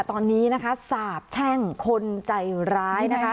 ตอนนี้นะคะสาบแช่งคนใจร้ายนะคะ